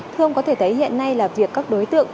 thưa ông có thể thấy hiện nay là việc các đối tượng